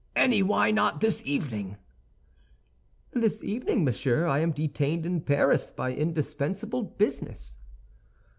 Any why not this evening?" "This evening, monsieur, I am detained in Paris by indispensable business."